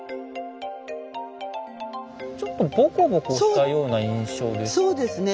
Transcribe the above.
ちょっとぼこぼこしたような印象ですね。